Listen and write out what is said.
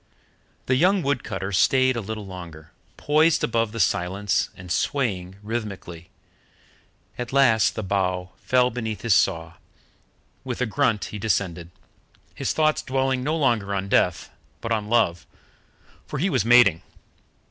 The young wood cutter stayed a little longer, poised above the silence and swaying rhythmically. At last the bough fell beneath his saw. With a grunt, he descended, his thoughts dwelling no longer on death, but on love, for he was mating.